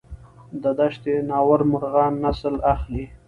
د دشت ناور مرغان نسل اخلي؟